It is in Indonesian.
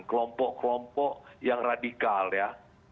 kelompok kelompok yang radikal ya